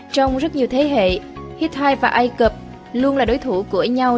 trong rất nhiều thế hệ hitti và ai cập luôn là đối thủ của nhau